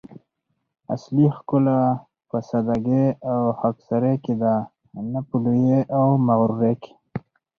اصلي ښکلا په سادګي او خاکساري کی ده؛ نه په لويي او مغروري کي